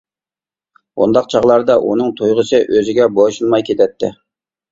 بۇنداق چاغلاردا ئۇنىڭ تۇيغۇسى ئۆزىگە بويسۇنماي كېتەتتى.